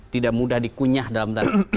tidak mudah dikunyah dalam